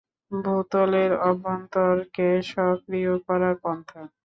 ভূতলের অভ্যন্তরকে সক্রিয় করার পন্থা।